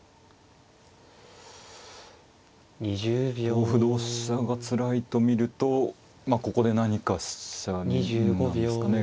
同歩同飛車がつらいと見るとまあここで何か飛車になんですかね。